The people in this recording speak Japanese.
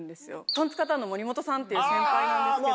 トンツカタンの森本さんっていう先輩なんですけど。